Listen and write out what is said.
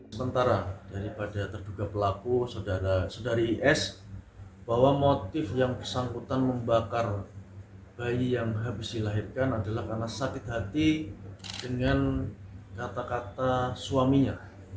sementara daripada terduga pelaku saudara saudari is bahwa motif yang bersangkutan membakar bayi yang habis dilahirkan adalah karena sakit hati dengan kata kata suaminya